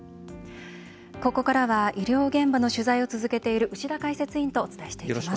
ここからは医療現場の取材を続けている牛田解説委員とお伝えしていきます。